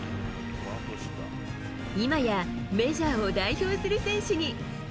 今やメジャーを代表する選手に。